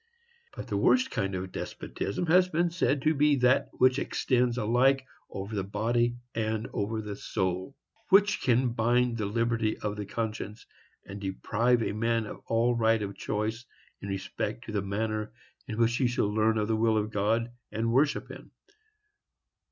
But the worst kind of despotism has been said to be that which extends alike over the body and over the soul; which can bind the liberty of the conscience, and deprive a man of all right of choice in respect to the manner in which he shall learn the will of God, and worship Him.